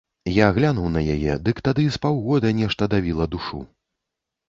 Я глянуў на яе, дык тады з паўгода нешта давіла душу.